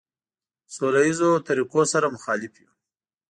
سوله ایزو طریقو سره مخالف یو.